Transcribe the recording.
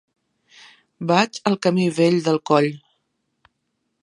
Vaig al camí Vell del Coll.